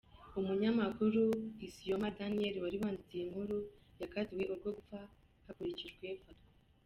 Umunyamakuru Isioma Daniel wari wanditse iyi nkuru yakatiwe urwo gupfa hakurikijwe Fatwa.